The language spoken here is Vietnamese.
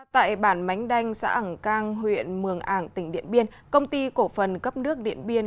tại bản mánh đanh xã ẳng cang huyện mường ảng tỉnh điện biên công ty cổ phần cấp nước điện biên